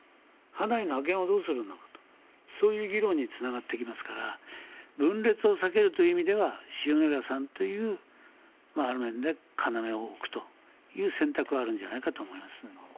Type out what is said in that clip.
派内の覇権をどうするのかそういう議論につながっていきますから分裂を避けるという意味では塩谷さんというある意味では要を置くという選択はあるんじゃないかと思います。